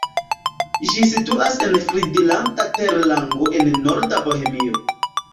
Ĝi situas en Fridlanta terlango en norda Bohemio.